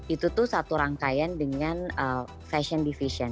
itu tuh satu rangkaian dengan fashion division